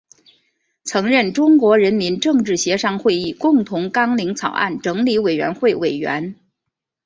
曾任中国人民政治协商会议共同纲领草案整理委员会委员。